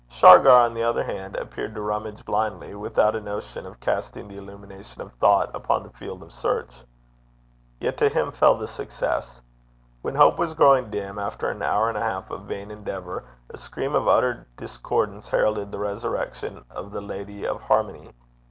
Shargar, on the other hand, appeared to rummage blindly without a notion of casting the illumination of thought upon the field of search. Yet to him fell the success. When hope was growing dim, after an hour and a half of vain endeavour, a scream of utter discordance heralded the resurrection of the lady of harmony.